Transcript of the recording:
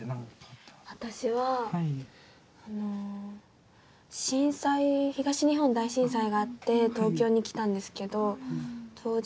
私は震災東日本大震災があって東京に来たんですけど当時小学５年生で。